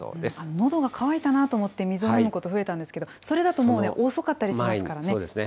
のどが渇いたなと思って水を飲むこと増えたんですけれども、それだともうね、遅かったりしますからね。